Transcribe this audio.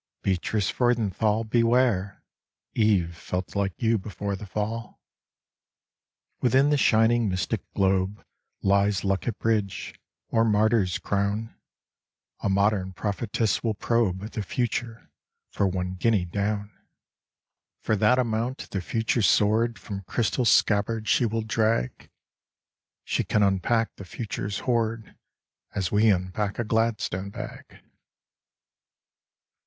Beatrice Freudenthal, beware ! Eve felt like you before the Fall. Within the shining mystic globe Lies luck at bridge, or martyr's crown ; A modern prophetess will probe The future, for one guinea down. 30 Mrs. Frcudcnthal Coiisiilis (he Wifch of liiuior For that amount, the future's sword From crystal scabbard she will drag. She can unpack the future's hoard As we unpack a Gladstone bag.